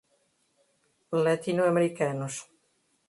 latino-americanos